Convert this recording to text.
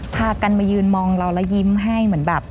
พากันมายืนมองเราแล้วยิ้มให้เหมือนแบบ